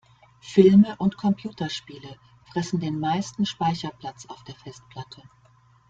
Filme und Computerspiele fressen den meisten Speicherplatz auf der Festplatte.